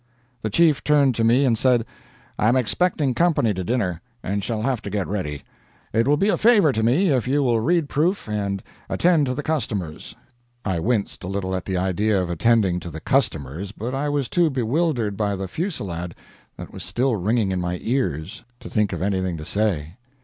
The chief turned to me and said, "I am expecting company to dinner, and shall have to get ready. It will be a favor to me if you will read proof and attend to the customers." I winced a little at the idea of attending to the customers, but I was too bewildered by the fusillade that was still ringing in my ears to think of anything to say.